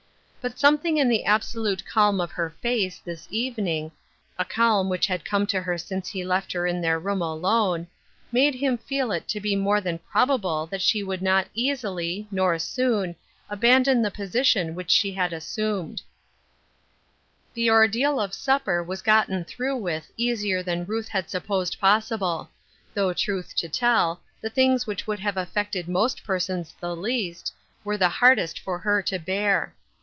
But something in the absolute calm of her face, this evening — a calm which had come to her since he left her in their room alone — made him feel it to be more than prob able that she would not easily, nor soon, aban don the position which she had assumed. My Daughters. 297 The ordeal of supper was gotton through with etisier than Ruth had supposed possible — though truth to tell, the thingb which would have affect ed most persons the least, were the hardest for her to bear.